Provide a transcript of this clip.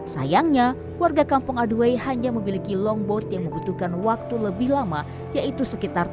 sayangnya warga kampung aduway hanya memiliki longboat yang membutuhkan waktu lebih lama yaitu sekitar tiga tahun